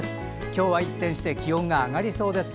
今日は一転して気温が上がりそうです。